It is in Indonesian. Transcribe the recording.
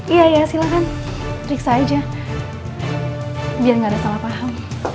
iya ya silahkan periksa aja biar gak ada salah paham